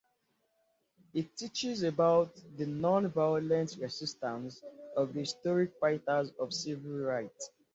He teaches about the non-violent resistance of the historic fighters of civil rights.